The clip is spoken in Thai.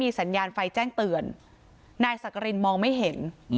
สัญญาณไฟแจ้งเตือนนายสักกรินมองไม่เห็น